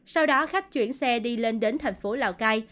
sau đó khách chuyển xe đi lên đến thành phố lào cai